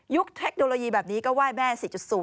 ยุคเทคโนโลยีแบบนี้ก็ว่ายแม่๔๐สิคะ